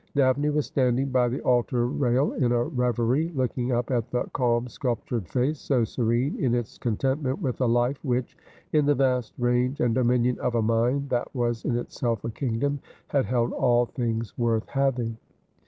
Daphne was standing by the altar rail in a reverie, looking up at the calm sculptured face, so serene in its contentment with a life which, in the vast range and dominion of a mind that was in itself a kingdom, had held all things worth having.